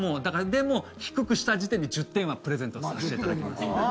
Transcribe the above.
でも低くした時点で、１０点はプレゼントさせていただきます。